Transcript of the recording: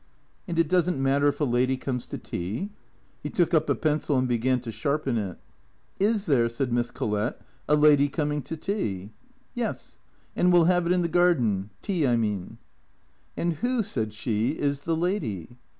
" And it does n't matter if a lady comes to tea ?" He took up a pencil and liegan to sharpen it. " Is there," said Miss Collett, " a lady coming to tea ?"" Yes. And we '11 have it in the garden. Tea, I mean." 158 THECKEATOES " And who," said she, " is the lady